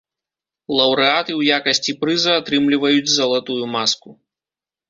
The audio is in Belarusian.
Лаўрэаты ў якасці прыза атрымліваюць залатую маску.